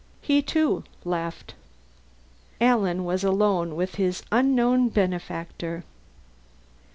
He, too, left. Alan was alone with his unknown benefactor.